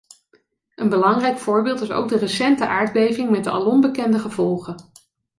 Een belangrijk voorbeeld is ook de recente aardbeving met de alom bekende gevolgen.